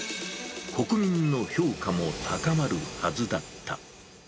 国民の評価も高まるはずだった。